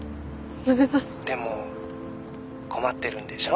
「でも困ってるんでしょ？